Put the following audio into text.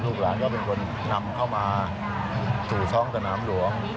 ลูกหลานก็เป็นคนนำเข้ามาสู่ท้องสนามหลวง